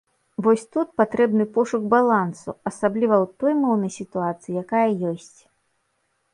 Вось тут патрэбны пошук балансу, асабліва ў той моўнай сітуацыі, якая ёсць.